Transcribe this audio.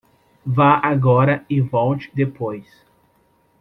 Vá agora e volte depois.